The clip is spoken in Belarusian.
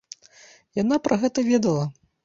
Яна пра гэта ведала.